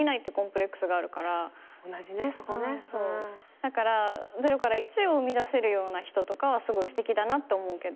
だから０から１を生み出せるような人とかはすごいすてきだなって思うけど。